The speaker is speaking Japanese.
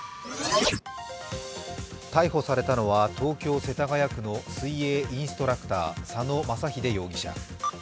逮捕されたのは東京・世田谷区の水泳インストラクター、佐野公英容疑者。